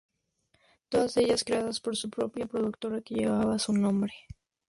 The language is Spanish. Todas ellas creadas por su propia productora que llevaba su nombre.